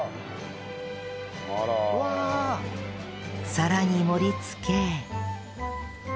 皿に盛りつけ